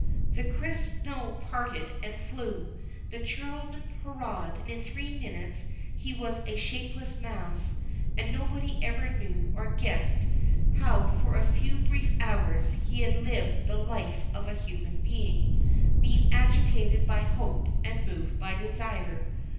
The crisp snow parted and flew, the children hurrahed, in three minutes he was a shapeless mass, and nobody ever knew or guessed how for a few brief hours he had lived the life of a human being, been agitated by hope and moved by desire.